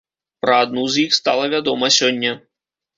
Пра адну з іх стала вядома сёння.